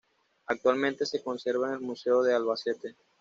Actualmente se conserva en el Museo de Albacete.